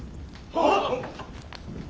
はっ！